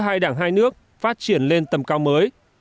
hai đảng hai nước phát triển lên tầm cao mới